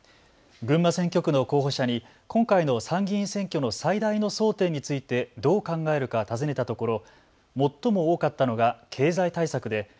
群馬選挙区の候補者に今回の参議院選挙の最大の争点についてどう考えるか尋ねたところ。